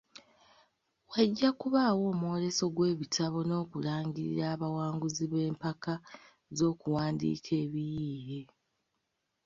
Wajja kubaawo omwoleso gw’ebitabo n’okulangirira abawanguzi b’empaka z’okuwandiika ebiyiiye.